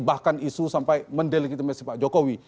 bahkan isu sampai mendelegitimasi pak jokowi